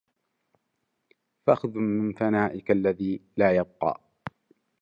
فَخُذْ مِنْ فَنَائِك الَّذِي لَا يَبْقَى